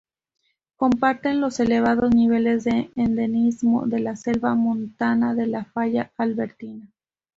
Comparte los elevados niveles de endemismos de la selva montana de la falla Albertina.